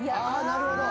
なるほど。